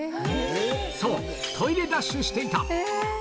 そう、トイレダッシュしていた。